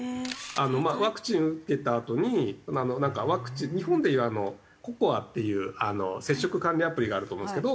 まあワクチン受けたあとになんかワクチン日本でいうＣＯＣＯＡっていう接触管理アプリがあると思うんですけど。